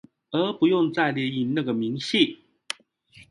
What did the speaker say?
而不用再列印那張明細